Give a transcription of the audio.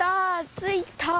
着いたー！